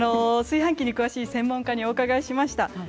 炊飯器に詳しい専門家にお伺いしました。